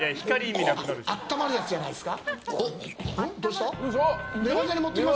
温まるやつじゃないですか。